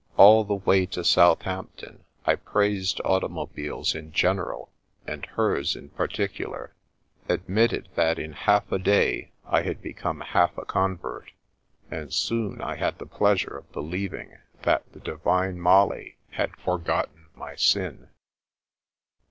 All the way to Southampton I praised automobiles in general and hers in particu lar ; admitted that in half a day I had become half a convert; and soon I had the pleasure of believing that the divine Molly had forgotten my sin.